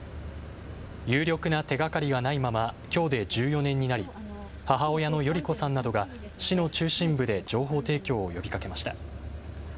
有力な手がかりがないままきょうで１４年になり母親の代里子さんなどが市の中心部で情報提供を呼びかけました。